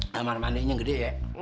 kamar kamar ini yang gede ya